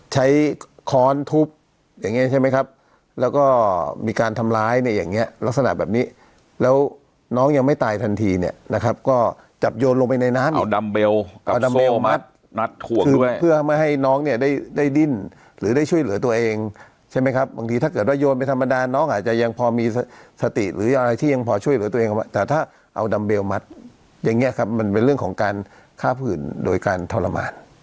ใช้ค้อนทุบอย่างนี้ใช่ไหมครับแล้วก็มีการทำร้ายเนี่ยอย่างเนี้ยลักษณะแบบนี้แล้วน้องยังไม่ตายทันทีเนี่ยนะครับก็จับโยนลงไปในน้ำเอาดำเบลกับโซ่มัดนัดห่วงด้วยเพื่อให้น้องเนี่ยได้ได้ดิ้นหรือได้ช่วยเหลือตัวเองใช่ไหมครับบางทีถ้าเกิดว่ายนไปธรรมดานน้องอาจจะยังพอมีสติหรืออะไรที่ยังพอช่